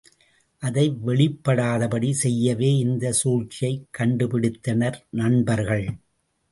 அதை வெளிப்படாதபடி செய்யவே இந்தச் சூழ்ச்சியைக் கண்டுபிடித்தனர் நண்பர்கள்.